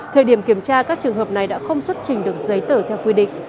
thời điểm kiểm tra các trường hợp này đã không xuất trình được giấy tờ theo quy định